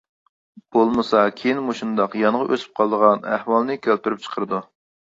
بولمىسا كېيىن مۇشۇنداق يانغا ئۆسۈپ قالىدىغان ئەھۋالنى كەلتۈرۈپ چىقىرىدۇ.